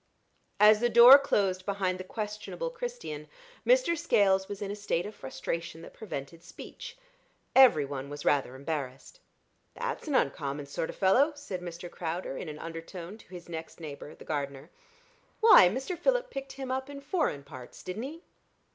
As the door closed behind the questionable Christian, Mr. Scales was in a state of frustration that prevented speech. Every one was rather embarrassed. "That's an uncommon sort o' fellow," said Mr. Crowder, in an undertone, to his next neighbor, the gardener. "Why, Mr. Philip picked him up in foreign parts, didn't he?"